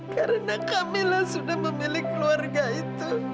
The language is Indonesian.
karena kamila sudah memilih keluarga itu